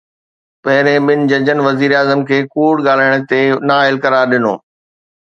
پهرين ٻن ججن وزيراعظم کي ڪوڙ ڳالهائڻ تي نااهل قرار ڏنو.